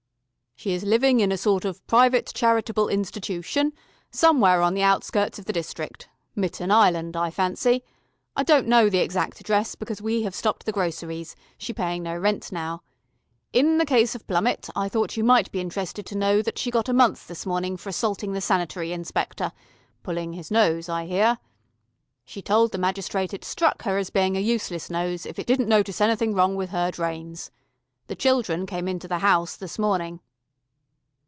"She is living in a sort of private charitable institution, somewhere on the outskirts of the district Mitten Island, I fancy. I don't know the exact address, because we have stopped the groceries, she paying no rent now. In the case of Plummett, I thought you might be interested to know that she got a month this morning for assaulting the Sanitary Inspector pulling his nose, I hear. She told the magistrate it struck her as being a useless nose if it didn't notice anything wrong with her drains. The children came into the House this morning."